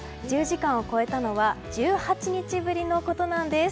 １０時間を超えたのは１８日ぶりのことなんです。